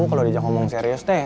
kalau diajak ngomong serius deh